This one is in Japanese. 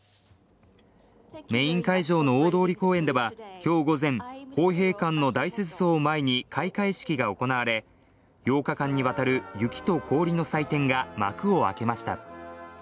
メイン会場の大通会場では今日午前、豊平館の大雪像を前に開会式が行われ、８日間にわたる雪と氷の祭典が幕を開けました。